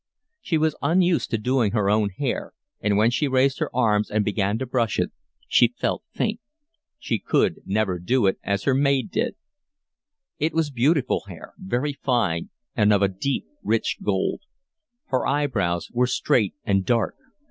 She was unused to doing her own hair and, when she raised her arms and began to brush it, she felt faint. She could never do it as her maid did. It was beautiful hair, very fine, and of a deep rich gold. Her eyebrows were straight and dark.